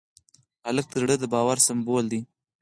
هلک د زړه د باور سمبول دی.